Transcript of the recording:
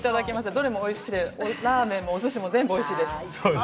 どれもおいしくて、ラーメンも、おすしも全部美味しいです。